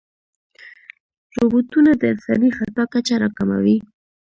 روبوټونه د انساني خطا کچه راکموي.